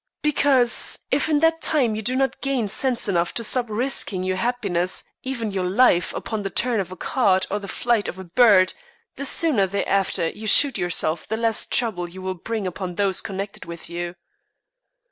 "Because if in that time you do not gain sense enough to stop risking your happiness, even your life, upon the turn of a card or the flight of a bird, the sooner thereafter you shoot yourself the less trouble you will bring upon those connected with you."